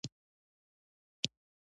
که په سمه توګه ساتنه او څارنه یې وشي.